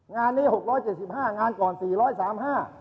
งานนี้๖๗๕ล้านงานก่อน๔๓๕ล้าน